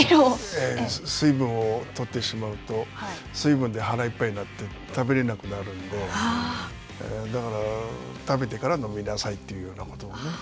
水分をとってしまうと、水分で腹いっぱいになって食べれなくなるんで、だから、食べてから飲みなさいというようなことをね。